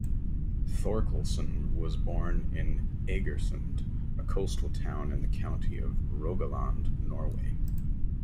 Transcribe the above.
Thorkelson was born in Egersund, a coastal town in the county of Rogaland, Norway.